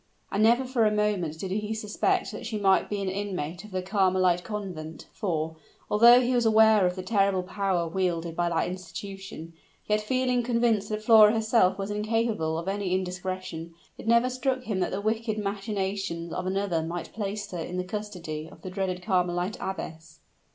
And never for a moment did he suspect that she might be an inmate of the Carmelite Convent, for, although he was aware of the terrible power wielded by that institution, yet feeling convinced that Flora herself was incapable of any indiscretion, it never struck him that the wicked machinations of another might place her in the custody of the dreaded Carmelite abbess.